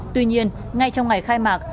tuy nhiên ngay trong ngày khai mạc